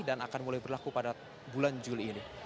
dan akan mulai berlaku pada bulan juli ini